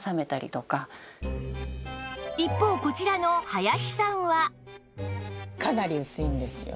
一方こちらの林さんは